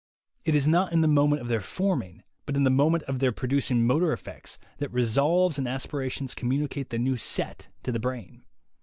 It is not in the moment of their forming, but in the moment of their producing motor effects, that resolves and aspirations communicate the new 'set' to the brain.